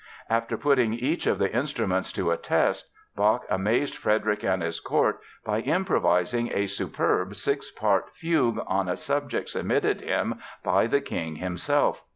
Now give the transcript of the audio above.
After putting each of the instruments to a test, Bach amazed Frederick and his court by improvising a superb six part fugue on a subject submitted him by the king himself.